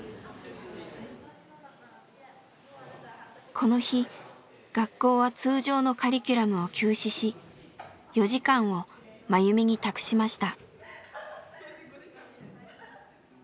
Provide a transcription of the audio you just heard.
この日学校は通常のカリキュラムを休止し４時間をマユミに託しました。